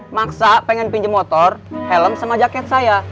maksa pengen pinjem motor helm sama jaket saya